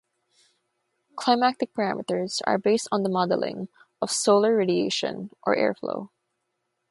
Climatic parameters are based on the modelling of solar radiation or air flow.